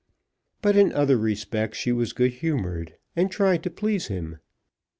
But in other respects she was good humoured, and tried to please him.